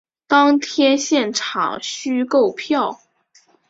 当天现场须购票